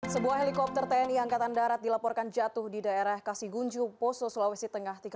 sebuah helikopter tni angkatan darat dilaporkan jatuh di daerah kasigunju poso sulawesi tengah